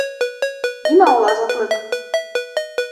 Нимә ул азатлыҡ?